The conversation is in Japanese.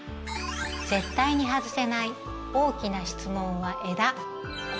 絶対に外せない大きな質問は「枝」。